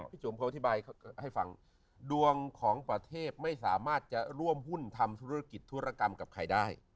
จุ๋มเขาอธิบายให้ฟังดวงของประเทศไม่สามารถจะร่วมหุ้นทำธุรกิจธุรกรรมกับใครได้